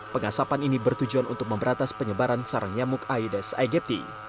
pengasapan ini bertujuan untuk memberatas penyebaran sarang nyamuk aedes aegypti